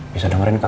bisa dengerin kakak